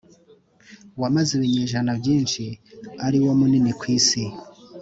wamaze ibinyejana byinshi ari wo munini ku isi